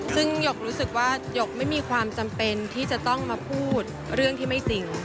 ซึ่งหยกรู้สึกว่าหยกไม่มีความจำเป็นที่จะต้องมาพูดเรื่องที่ไม่จริง